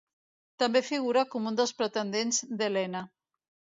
També figura com un dels pretendents d'Helena.